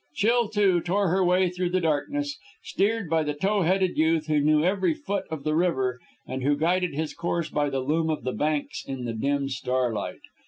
Chill II tore her way through the darkness, steered by the tow headed youth who knew every foot of the river and who guided his course by the loom of the banks in the dim starlight.